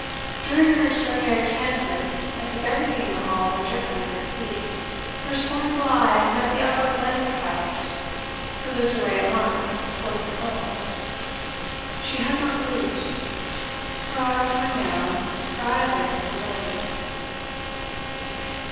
During her extraordinary transit, as if everything in the hall were dirt under her feet, her scornful eyes met the upward glance of Heyst, who looked away at once towards the girl. She had not moved. Her arms hung down; her eyelids were lowered.